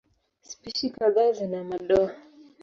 Spishi kadhaa zina madoa.